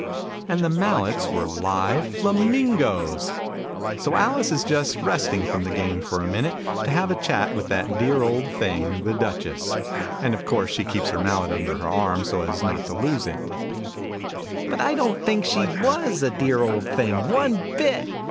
and the mallets were live Flamingos / So Alice is just resting from the Game, for a minute, to have a chat with that dear old thing, the Duchess : and of course she keeps her mallet under her arm, so as not to lose it. Digitized by Google THE I.OBSTER QUADRUPLE. 47 "But I don't think she was a dear old thing, one bit